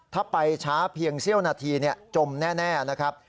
ถ้าไปช้าเพียงเสี้ยวนาทีจมแน่นะครับ